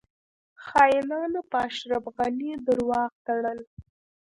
خاینانو په اشرف غنی درواغ تړل